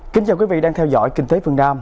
kính chào quý vị đang theo dõi kinh tế phương nam